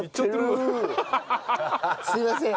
すいません。